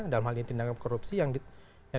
dalam hal ini tindakan korupsi yang